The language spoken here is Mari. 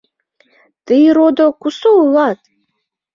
— Тый, родо, кусо улат?